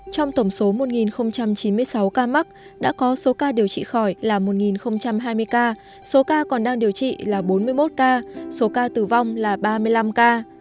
trong tổng số một chín mươi sáu ca mắc đã có số ca điều trị khỏi là một hai mươi ca số ca còn đang điều trị là bốn mươi một ca số ca tử vong là ba mươi năm ca